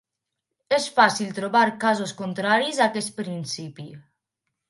És fàcil trobar casos contraris a aquest principi.